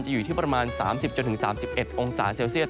อยู่ที่ประมาณ๓๐๓๑องศาเซลเซียต